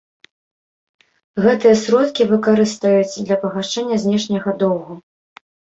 Гэтыя сродкі выкарыстаюць для пагашэння знешняга доўгу.